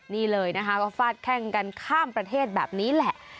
นี่เลยนะคะก็ฟาดแข้งกันข้ามประเทศแบบนี้แหละ